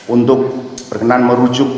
untuk berkenan merujuk